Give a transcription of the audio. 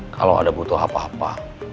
kalau ada butuh apa apa